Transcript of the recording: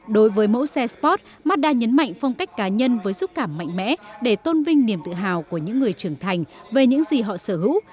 đối với mẫu xe sport mazda nhấn mạnh phong cách cá nhân với xúc cảm mạnh mẽ để tôn vinh niềm tự hào của những người trưởng thành về những gì họ sở hữu